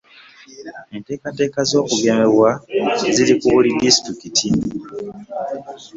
Enteekateeka z'okugemebwa ziri ku buli disitulikiti.